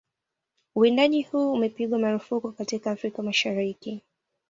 Uwindaji huu umepigwa marufuku katika Afrika Mashariki